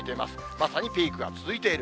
まさにピークが続いている。